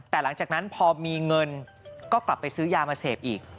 แต่หลังจากนั้นพอมีเงินก็กลับไปซื้อยามาเสพอีก